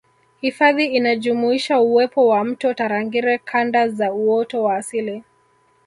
Hifadhi inajumuisha uwepo wa Mto Tarangire Kanda za Uoto wa asili